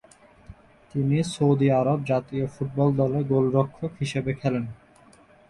তিনি Saudi Arab জাতীয় football দলে গোলরক্ষক হিসেবে খেলেন।